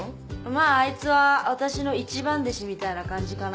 まぁあいつは私の一番弟子みたいな感じかな。